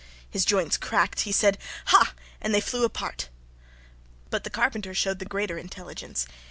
His joints cracked; he said, "Ha!" and they flew apart. But the carpenter showed the greater intelligence.